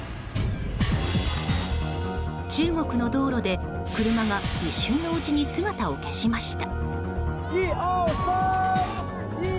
中国の道路で、車が一瞬のうちに姿を消しました。